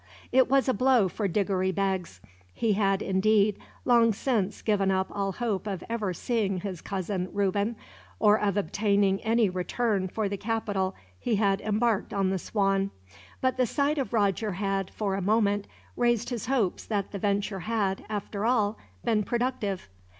It was a blow for Diggory Beggs. He had, indeed, long since given up all hope of ever seeing his cousin Reuben, or of obtaining any return for the capital he had embarked on the Swan; but the sight of Roger had, for a moment, raised his hopes that the venture had, after all, been productive.